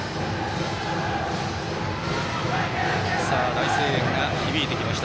大声援が響いてきました。